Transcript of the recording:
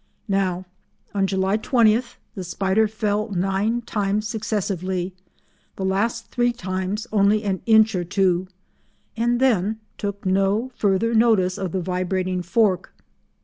Now on July 20 the spider fell nine times successively—the last three times only an inch or two—and then took no further notice of the vibrating fork.